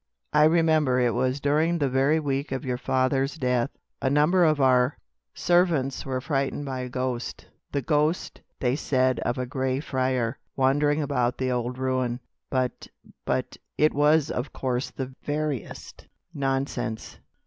I remember, it was during the very week of your father's death, a number of our servants were frightened by a ghost the ghost, they said, of a gray friar wandering about the old ruin. But but it was, of course, the veriest nonsense."